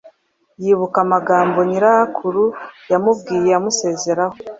yibuka amagambo nyirakuru yamubwiye amusezeraho